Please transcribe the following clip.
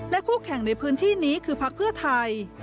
คู่แข่งในพื้นที่นี้คือพักเพื่อไทย